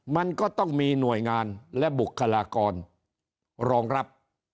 มันก็ต้องมีหน่วยงานและบุคลากรรองรับ